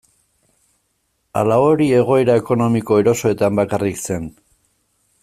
Ala hori egoera ekonomiko erosoetan bakarrik zen?